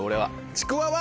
ちくわは。